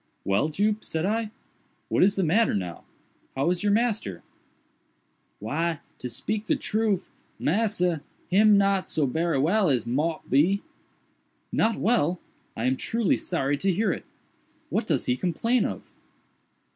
"Well, Jup," said I, "what is the matter now?—how is your master?" "Why, to speak de troof, massa, him not so berry well as mought be." "Not well! I am truly sorry to hear it. What does he complain of?"